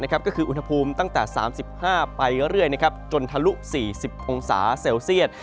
ก็คืออุณหภูมิตั้งแต่๓๕ไปเรื่อยจนทะลุ๔๐องศาเซลเซียต